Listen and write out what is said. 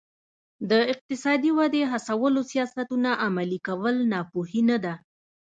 د اقتصادي ودې هڅولو سیاستونه عملي کول ناپوهي نه ده.